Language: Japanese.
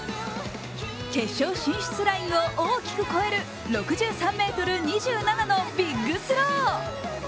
決勝進出ラインを大きく越える６３ｍ２７のビッグスロー。